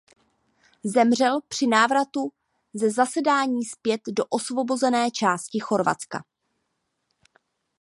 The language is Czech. Zemřel při návratu ze zasedání zpět do osvobozené části Chorvatska.